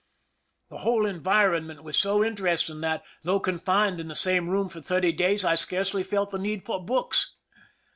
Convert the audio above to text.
The whole environment was so interesting that, though confined in the same room for thirty days, I scarcely felt the need for books.